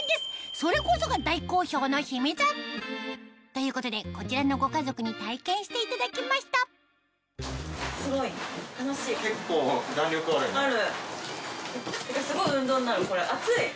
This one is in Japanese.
それこそが大好評の秘密ということでこちらのご家族に体験していただきましたある。